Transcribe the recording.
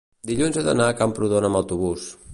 dilluns he d'anar a Camprodon amb autobús.